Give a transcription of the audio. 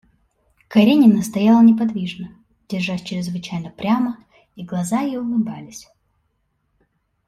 Каренина стояла неподвижно, держась чрезвычайно прямо, и глаза ее улыбались.